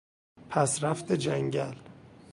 پسرفت جنگل